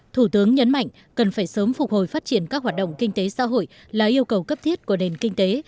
thủ tướng nhấn mạnh cần phải sớm phục hồi phát triển các hoạt động kinh tế xã hội là yêu cầu cấp thiết của nền kinh tế